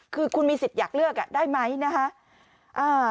คือคุณมีสิทธิ์อยากเลือกได้ไหมนะคะ